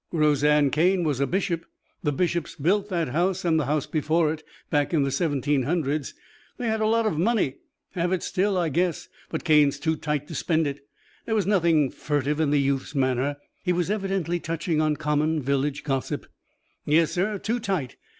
Roseanne Cane was a Bishop. The Bishops built that house and the house before it back in the seventeen hundreds. They had a lot of money. Have it still, I guess, but Cane's too tight to spend it." There was nothing furtive in the youth's manner; he was evidently touching on common village gossip. "Yes, sir, too tight.